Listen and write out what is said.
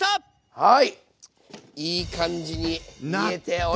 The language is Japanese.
はい。